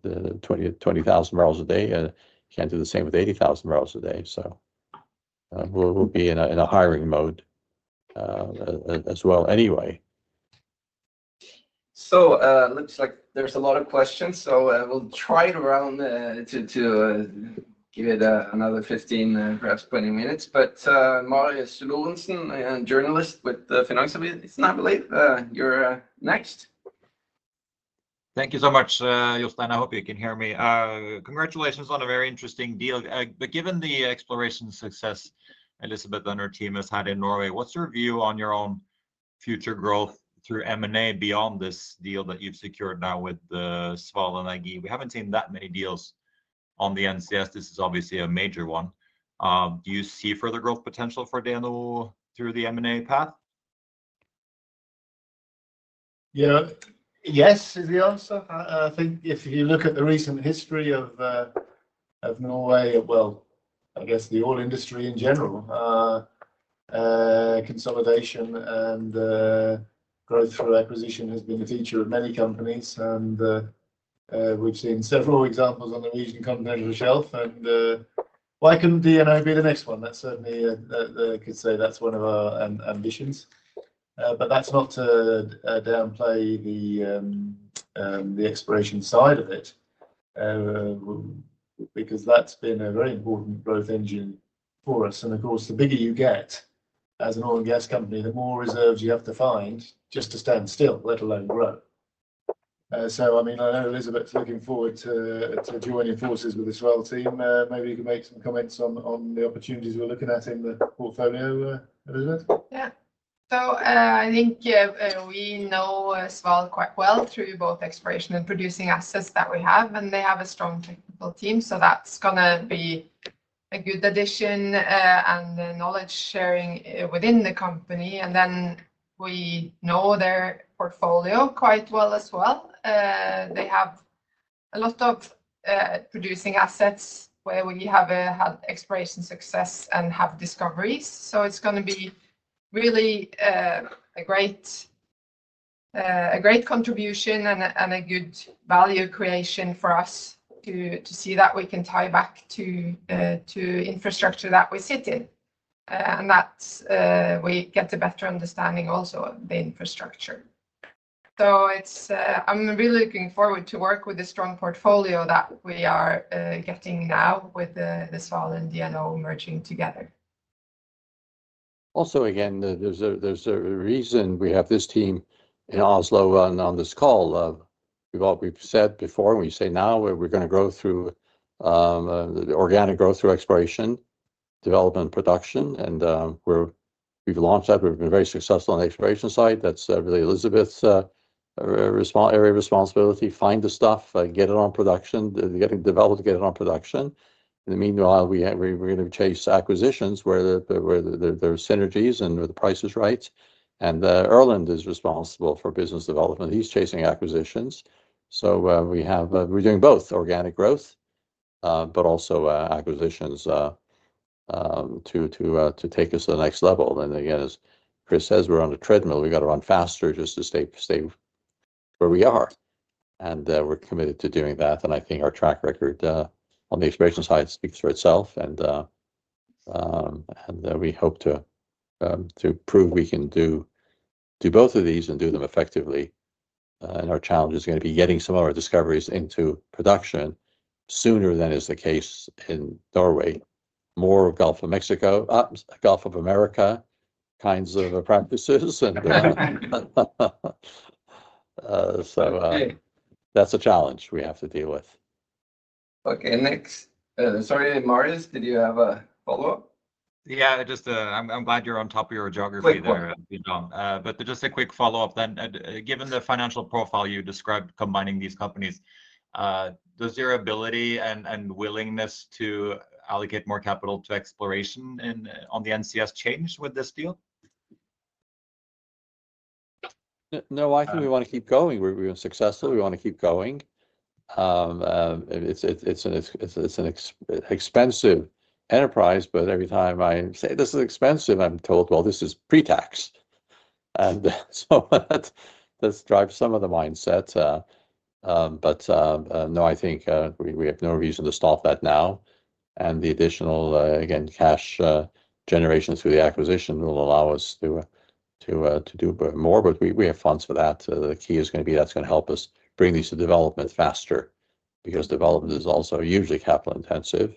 20,000 bbl a day, you can't do the same with 80,000 bbl a day. We will be in a hiring mode as well anyway. It looks like there are a lot of questions. We will try to round to give it another 15, perhaps 20 minutes. Marius Lorentzen, journalist with Finansavisen, I believe you are next. Thank you so much, Jostein. I hope you can hear me. Congratulations on a very interesting deal. Given the exploration success Elisabeth and her team have had in Norway, what is your view on your own future growth through M&A beyond this deal that you have secured now with Sval Energi? We have not seen that many deals on the NCS. This is obviously a major one. Do you see further growth potential for DNO through the M&A path? Yes, is the answer. I think if you look at the recent history of Norway, I guess the oil industry in general, consolidation and growth through acquisition has been the feature of many companies. We have seen several examples on the regional continental shelf. Why could not DNO be the next one? I could say that is one of our ambitions. That is not to downplay the exploration side of it because that has been a very important growth engine for us. Of course, the bigger you get as an oil and gas company, the more reserves you have to find just to stand still, let alone grow. I mean, I know Elisabeth is looking forward to joining forces with the Sval team. Maybe you can make some comments on the opportunities we are looking at in the portfolio, Elisabeth? Yeah. I think we know Sval quite well through both exploration and producing assets that we have. They have a strong technical team. That's going to be a good addition and knowledge sharing within the company. We know their portfolio quite well as well. They have a lot of producing assets where we have had exploration success and have discoveries. It's going to be really a great contribution and a good value creation for us to see that we can tie back to infrastructure that we sit in. That's where you get a better understanding also of the infrastructure. I'm really looking forward to work with the strong portfolio that we are getting now with the Sval and DNO merging together. Also, again, there's a reason we have this team in Oslo on this call. We've said before, and we say now, we're going to grow through organic growth through exploration, development, and production. We've launched that. We've been very successful on the exploration side. That's really Elisabeth's area of responsibility. Find the stuff, get it on production, develop, get it on production. In the meanwhile, we're going to chase acquisitions where there are synergies and where the price is right. Erlend is responsible for business development. He's chasing acquisitions. We're doing both organic growth, but also acquisitions to take us to the next level. As Chris says, we're on a treadmill. We've got to run faster just to stay where we are. We're committed to doing that. I think our track record on the exploration side speaks for itself. We hope to prove we can do both of these and do them effectively. Our challenge is going to be getting some of our discoveries into production sooner than is the case in Norway. More Gulf of America kinds of practices. That is a challenge we have to deal with. Okay. Next. Sorry, Marius, did you have a follow-up? Yeah. I'm glad you're on top of your geography there. Just a quick follow-up then. Given the financial profile you described combining these companies, does your ability and willingness to allocate more capital to exploration on the NCS change with this deal? No, I think we want to keep going. We're successful. We want to keep going. It's an expensive enterprise, but every time I say this is expensive, I'm told, "Well, this is pre-tax." That drives some of the mindset. No, I think we have no reason to stop that now. The additional, again, cash generation through the acquisition will allow us to do more. We have funds for that. The key is going to be that's going to help us bring these to development faster because development is also usually capital-intensive,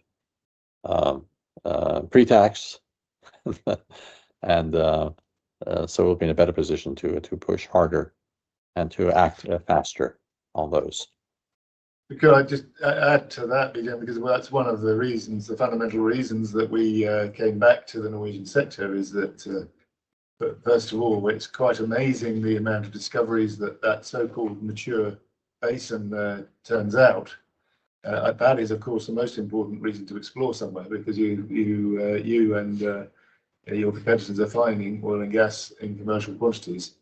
pre-tax. And so will be in a better position to push harder and to act faster on those. Could I just add to that again? That is one of the reasons, the fundamental reasons that we came back to the Norwegian sector. First of all, it's quite amazing the amount of discoveries that that so-called mature basin turns out. That is, of course, the most important reason to explore somewhere because you and your competitors are finding oil and gas in commercial quantities.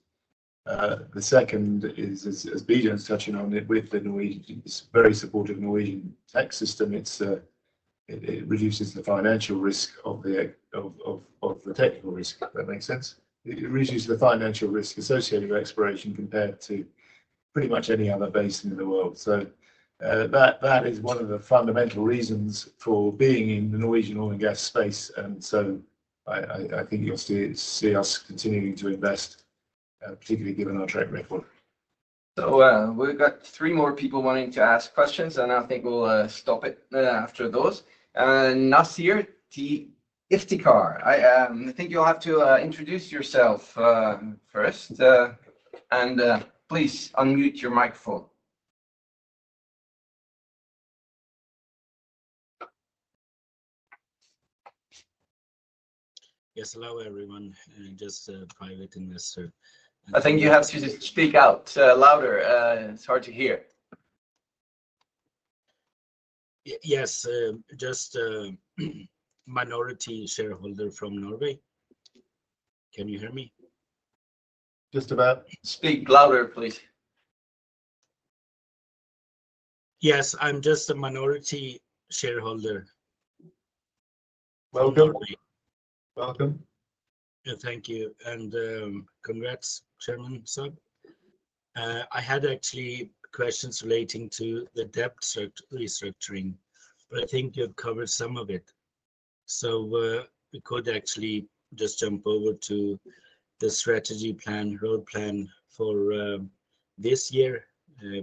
The second is, as Bijan's touching on it with the Norwegian, it's a very supportive Norwegian tax system. It reduces the financial risk of the technical risk. Does that make sense? It reduces the financial risk associated with exploration compared to pretty much any other basin in the world. That is one of the fundamental reasons for being in the Norwegian oil and gas space. I think you'll see us continuing to invest, particularly given our track record. We've got three more people wanting to ask questions, and I think we'll stop it after those. Nasir Iftikhar, I think you'll have to introduce yourself first. Please unmute your microphone. Yes. Hello, everyone. Just a private investor. I think you have to speak out louder. It's hard to hear. Yes. Just a minority shareholder from Norway. Can you hear me? Just about. Speak louder, please. Yes. I'm just a minority shareholder. Welcome. Welcome. Thank you. And congrats, Chairman Sir. I had actually questions relating to the debt restructuring, but I think you've covered some of it. We could actually just jump over to the strategy plan, road plan for this year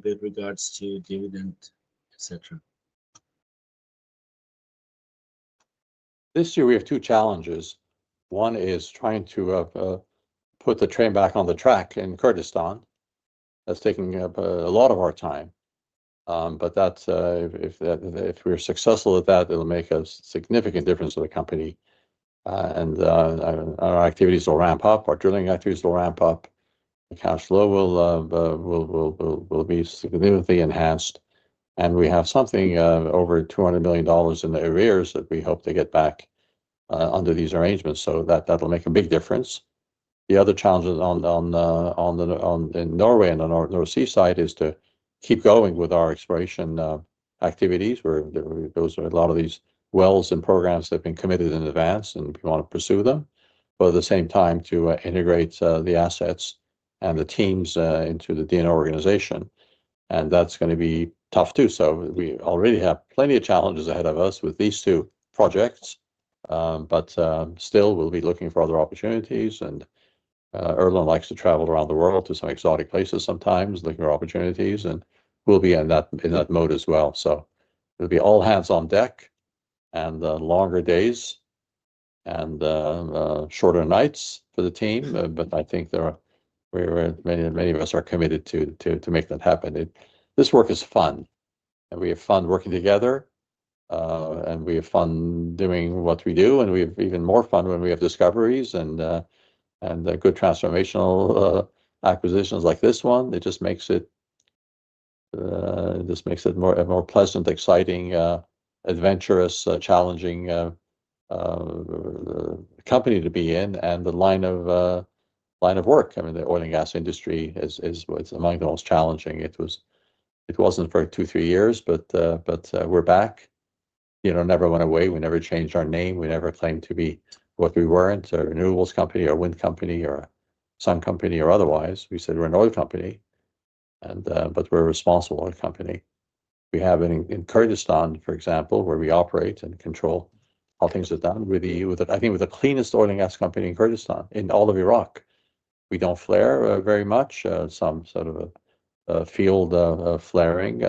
with regards to dividend, etc. This year, we have two challenges. One is trying to put the train back on the track in Kurdistan. That's taking up a lot of our time. If we're successful at that, it'll make a significant difference to the company. Our activities will ramp up. Our drilling activities will ramp up. The cash flow will be significantly enhanced. We have something over $200 million in the arrears that we hope to get back under these arrangements. That'll make a big difference. The other challenge in Norway and the North Sea side is to keep going with our exploration activities. There are a lot of these wells and programs that have been committed in advance, and we want to pursue them. At the same time, to integrate the assets and the teams into the DNO organization. That is going to be tough too. We already have plenty of challenges ahead of us with these two projects. Still, we'll be looking for other opportunities. Erland likes to travel around the world to some exotic places sometimes, looking for opportunities. We'll be in that mode as well. It will be all hands on deck and longer days and shorter nights for the team. I think many of us are committed to make that happen. This work is fun. We have fun working together. We have fun doing what we do. We have even more fun when we have discoveries and good transformational acquisitions like this one. It just makes it more pleasant, exciting, adventurous, challenging company to be in and the line of work. I mean, the oil and gas industry is among the most challenging. It was not for two, three years, but we are back. Never went away. We never changed our name. We never claimed to be what we were not, a renewables company or a wind company or a sun company or otherwise. We said we are an oil company, but we are a responsible oil company. We have in Kurdistan, for example, where we operate and control how things are done, I think, the cleanest oil and gas company in Kurdistan, in all of Iraq. We do not flare very much, some sort of field flaring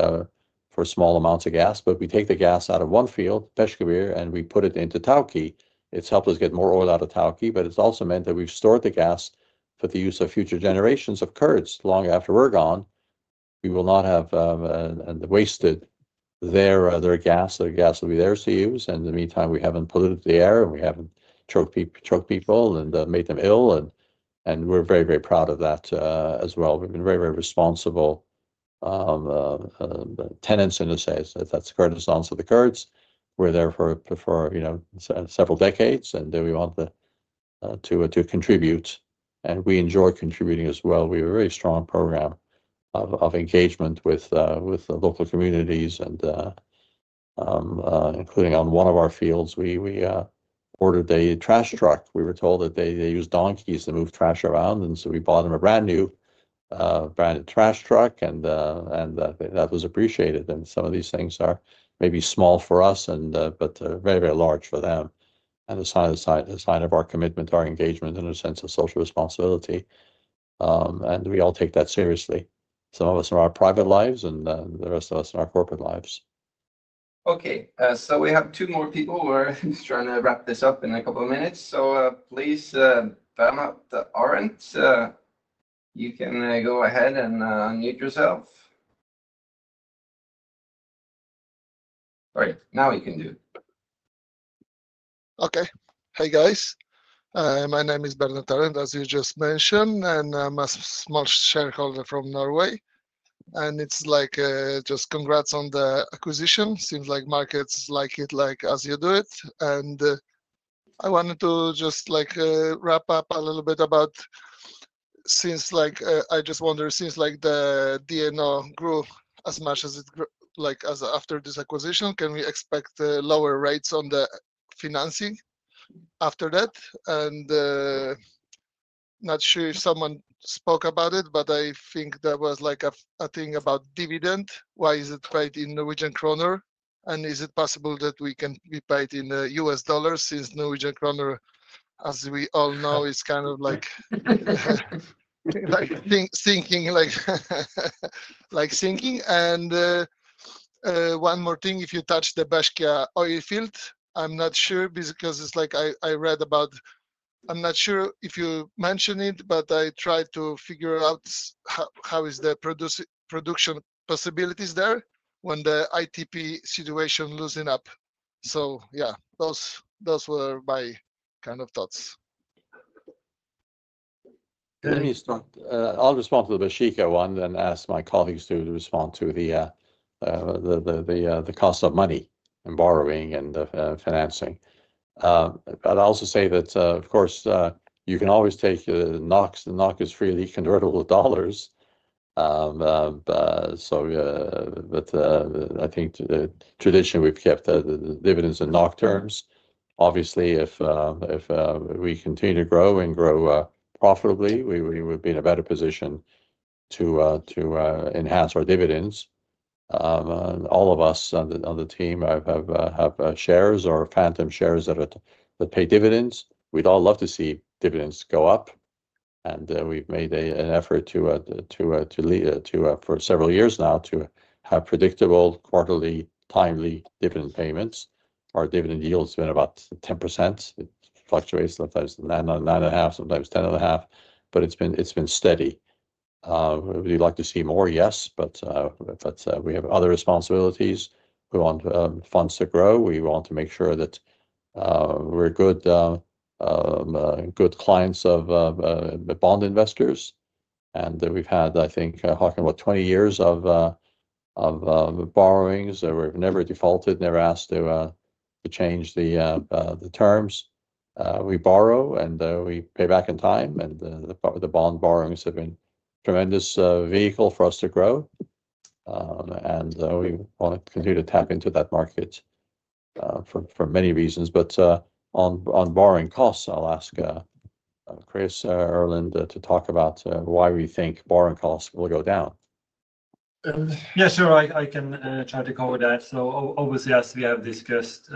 for small amounts of gas. We take the gas out of one field, Peshkabir, and we put it into Tawke. It's helped us get more oil out of Tawke, but it's also meant that we've stored the gas for the use of future generations of Kurds long after we're gone. We will not have wasted their gas. Their gas will be theirs to use. In the meantime, we haven't polluted the air, and we haven't choked people and made them ill. We're very, very proud of that as well. We've been very, very responsible tenants, in a sense. That's Kurdistan to the Kurds. We're there for several decades, and we want to contribute. We enjoy contributing as well. We have a very strong program of engagement with local communities, including on one of our fields. We ordered a trash truck. We were told that they use donkeys to move trash around. We bought them a brand-new branded trash truck, and that was appreciated. Some of these things are maybe small for us, but very, very large for them. It is a sign of our commitment, our engagement, and a sense of social responsibility. We all take that seriously, some of us in our private lives and the rest of us in our corporate lives. Okay. We have two more people. We are trying to wrap this up in a couple of minutes. So please, Bernhard Arntzen, you can go ahead and unmute yourself. All right. Now we can do it. Okay. Hey, guys. My name is Bernhard Arntzen, as you just mentioned, and I am a small shareholder from Norway. Congrats on the acquisition. Seems like markets like it as you do it. And I wanted to just wrap up a little bit about since I just wonder since DNO grew as much as it grew after this acquisition, can we expect lower rates on the financing after that? Not sure if someone spoke about it, but I think there was a thing about dividend. Why is it paid in Norwegian kroner? Is it possible that we can be paid in US dollars since Norwegian kroner, as we all know, is kind of like sinking? One more thing, if you touch the Baeshiqa oil field, I'm not sure because I read about it, I'm not sure if you mentioned it, but I tried to figure out how is the production possibilities there when the ITP situation is loosening up. Those were my kind of thoughts. Let me start. I'll respond to the Baeshiqa one and then ask my colleagues to respond to the cost of money and borrowing and financing. I will also say that, of course, you can always take the NOK, the NOK is freely convertible to dollars. I think the tradition is we've kept dividends in NOK terms. Obviously, if we continue to grow and grow profitably, we would be in a better position to enhance our dividends. All of us on the team have shares or phantom shares that pay dividends. We'd all love to see dividends go up. We've made an effort for several years now to have predictable quarterly, timely dividend payments. Our dividend yield has been about 10%. It fluctuates, sometimes 9.5%, sometimes 10.5%, but it's been steady. We'd like to see more, yes, but we have other responsibilities. We want funds to grow. We want to make sure that we're good clients of bond investors. And we've had, I think, what, 20 years of borrowings. We've never defaulted, never asked to change the terms. We borrow, and we pay back in time. The bond borrowings have been a tremendous vehicle for us to grow. We want to continue to tap into that market for many reasons. On borrowing costs, I'll ask Chris, Erlend, to talk about why we think borrowing costs will go down. Yes, sure. I can try to cover that. Obviously, as we have discussed,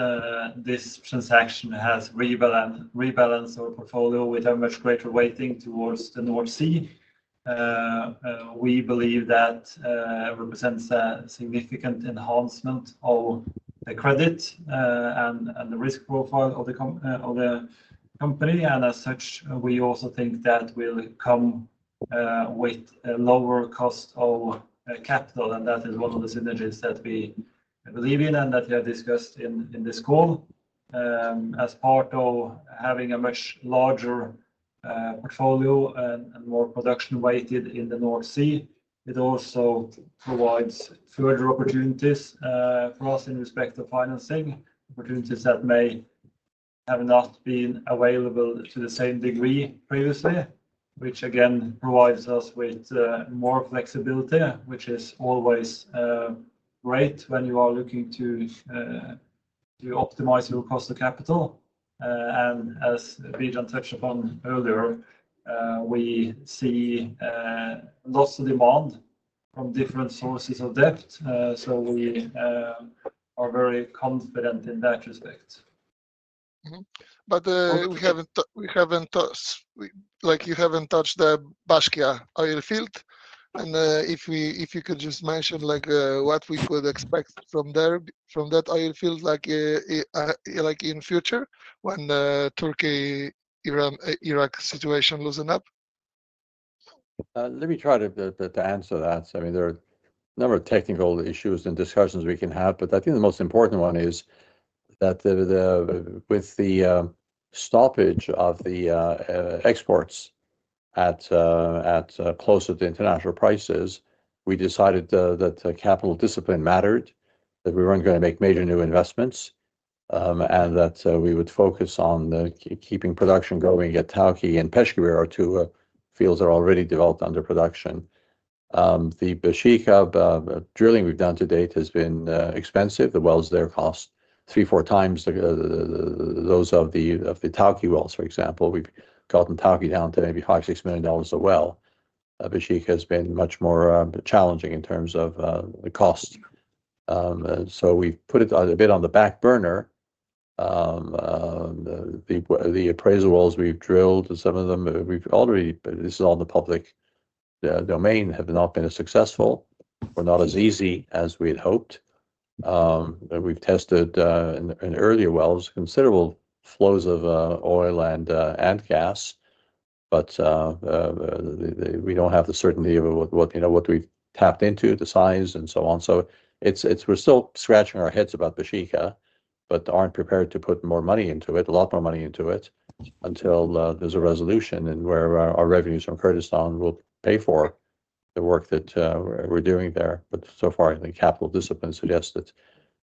this transaction has rebalanced our portfolio with a much greater weighting towards the North Sea. We believe that represents a significant enhancement of the credit and the risk profile of the company. As such, we also think that will come with a lower cost of capital. That is one of the synergies that we believe in and that we have discussed in this call. As part of having a much larger portfolio and more production weighted in the North Sea, it also provides further opportunities for us in respect of financing, opportunities that may have not been available to the same degree previously, which again provides us with more flexibility, which is always great when you are looking to optimize your cost of capital. As Bijan touched upon earlier, we see lots of demand from different sources of debt. We are very confident in that respect. We have not touched the Baeshiqa oil field. If you could just mention what we could expect from that oil field in future when the Tawke, Iraq situation loosens up. Let me try to answer that. I mean, there are a number of technical issues and discussions we can have. I think the most important one is that with the stoppage of the exports at closer to international prices, we decided that capital discipline mattered, that we were not going to make major new investments, and that we would focus on keeping production going at Tawke and Peshkabir, our two fields that are already developed under production. The Baeshiqa drilling we have done to date has been expensive. The wells there cost three, four times those of the Tawke wells, for example. We have gotten talking down today maybe $5,000,000-$6,000,000 a well. Baeshiqa has been much more challenging in terms of the cost. We have put it a bit on the back burner. The appraisal wells we've drilled, some of them, this is all in the public domain, have not been as successful or not as easy as we had hoped. We've tested in earlier wells considerable flows of oil and gas, but we don't have the certainty of what we've tapped into, the size, and so on. We are still scratching our heads about Baeshiqa, but aren't prepared to put more money into it, a lot more money into it, until there's a resolution and where our revenues from Kurdistan will pay for the work that we're doing there. So far, I think capital discipline suggests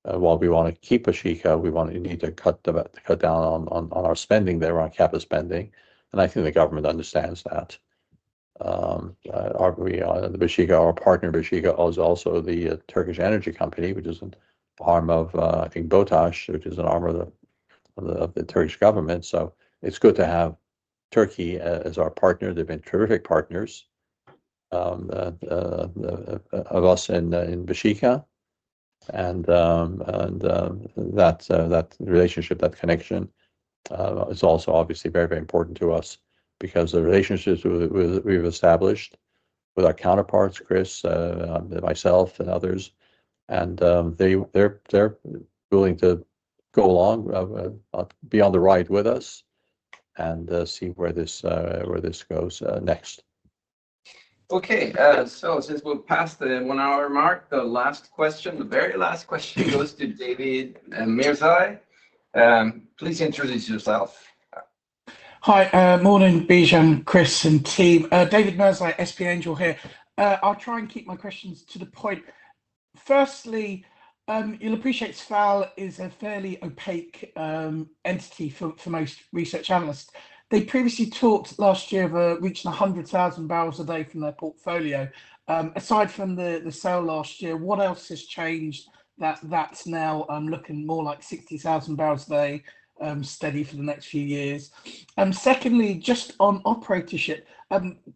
that while we want to keep Baeshiqa, we need to cut down on our spending there, on capital spending. I think the government understands that. The Baeshiqa, our partner Baeshiqa, owns also the Turkish Energy Company, which is an arm of, I think, BOTAS, which is an arm of the Turkish government. It is good to have Tawke as our partner. They have been terrific partners of us in Baeshiqa. That relationship, that connection, is also obviously very, very important to us because the relationships we have established with our counterparts, Chris, myself, and others, and they are willing to go along, be on the ride with us, and see where this goes next. Okay. Since we are past the one-hour mark, the last question, the very last question goes to David Mirzai. Please introduce yourself. Hi. Morning, Bijan, Chris, and team. David Mirzai, SP Angel here. I will try and keep my questions to the point. Firstly, you will appreciate Sval is a fairly opaque entity for most research analysts. They previously talked last year of reaching 100,000 bbl a day from their portfolio. Aside from the sale last year, what else has changed that that's now looking more like 60,000 bbl a day steady for the next few years? Secondly, just on operatorship,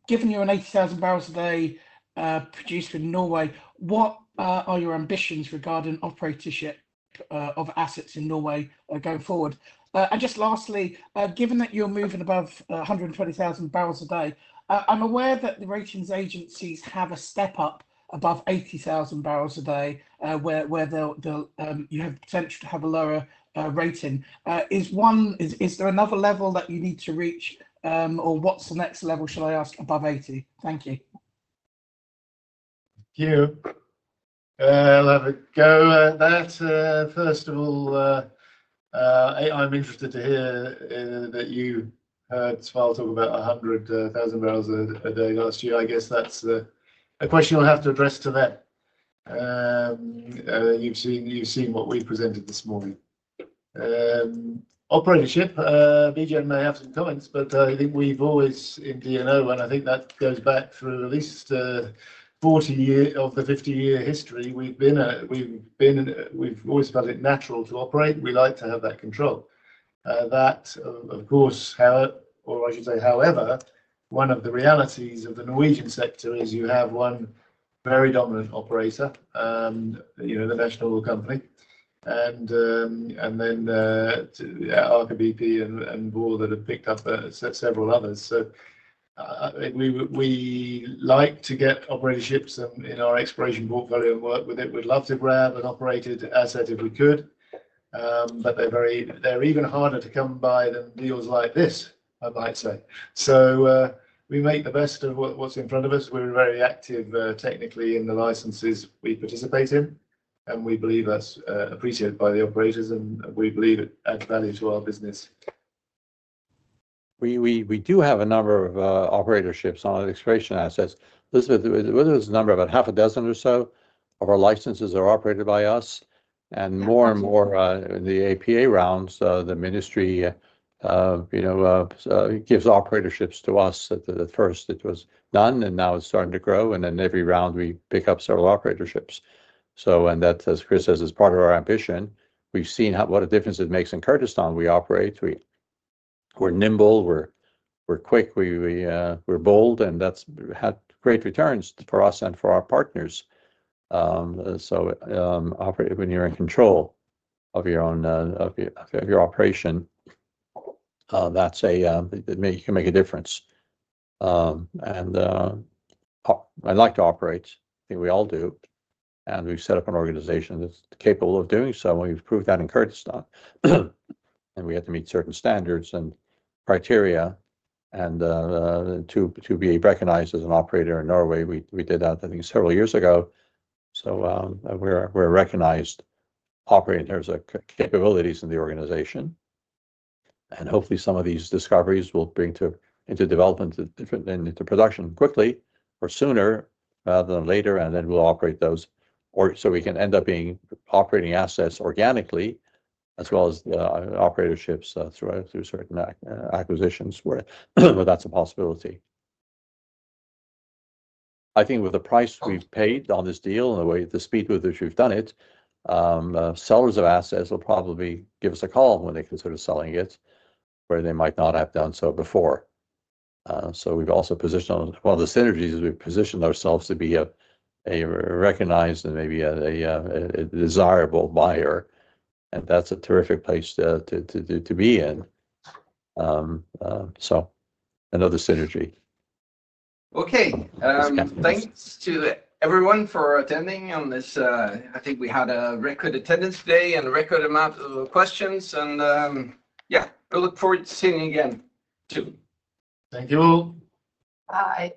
given you're an 80,000 bbl a day producer in Norway, what are your ambitions regarding operatorship of assets in Norway going forward? Just lastly, given that you're moving above 120,000 bbl a day, I'm aware that the ratings agencies have a step up above 80,000 bbl a day where you have potential to have a lower rating. Is there another level that you need to reach, or what's the next level, shall I ask, above 80? Thank you. Here, Let me go at that. First of all, I'm interested to hear that you heard Sval talk about 100,000 bbl a day last year. I guess that's a question you'll have to address to that. You've seen what we've presented this morning. Operatorship, Bijan may have some comments, but I think we've always in DNO, and I think that goes back through at least 40 years of the 50-year history. We've always felt it natural to operate. We like to have that control. That, of course, or I should say, however, one of the realities of the Norwegian sector is you have one very dominant operator, the national company. And then Aker BP and Equinor that have picked up several others. We like to get operatorships in our exploration portfolio and work with it. We'd love to grab an operated asset if we could, but they're even harder to come by than deals like this, I might say. We make the best of what's in front of us. We're very active technically in the licenses we participate in, and we believe that's appreciated by the operators, and we believe it adds value to our business. We do have a number of operatorships on exploration assets. Elisabeth, whether it's a number, about half a dozen or so of our licenses are operated by us. More and more in the APA rounds, the ministry gives operatorships to us. At first, it was none, and now it's starting to grow. Every round, we pick up several operatorships. That, as Chris says, is part of our ambition. We've seen what a difference it makes in Kurdistan. We operate. We're nimble. We're quick. We're bold. That's had great returns for us and for our partners. When you're in control of your operation, that's a—you can make a difference. And I like to operate. I think we all do. We have set up an organization that is capable of doing so. We have proved that in Kurdistan. We have to meet certain standards and criteria to be recognized as an operator in Norway. We did that, I think, several years ago. We are recognized operators of capabilities in the organization. Hopefully, some of these discoveries will bring into development and into production quickly or sooner rather than later. And then we operate those so we can end up being operating assets organically as well as operatorships through certain acquisitions where that is a possibility. I think with the price we have paid on this deal and the speed with which we have done it, sellers of assets will probably give us a call when they consider selling it, where they might not have done so before. So we've also positioned, one of the synergies is we've positioned ourselves to be recognized and maybe a desirable buyer, and that is a terrific place to be in. So another synergy. Okay. Thanks to everyone for attending on this. I think we had a record attendance today and a record amount of questions. Yeah, we will look forward to seeing you again soon. Thank you. Bye.